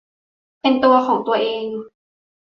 เป็นตัวของตัวเอง